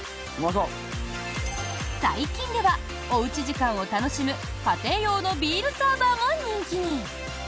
最近ではおうち時間を楽しむ家庭用のビールサーバーも人気に！